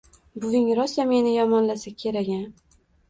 Buving rosa meni yomonlasa kerak-a